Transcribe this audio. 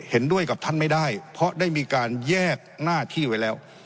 เห็นด้วยกับท่านไม่ได้เพราะได้มีการแยกหน้าที่ไว้แล้ว